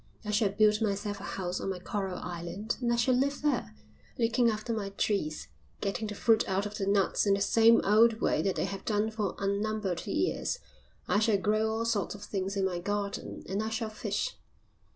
I shall build myself a house on my coral island and I shall live there, looking after my trees getting the fruit out of the nuts in the same old way that they have done for unnumbered years I shall grow all sorts of things in my garden, and I shall fish.